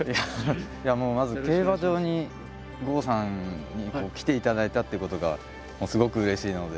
もうまず競馬場に郷さんに来ていただいたということがすごくうれしいので。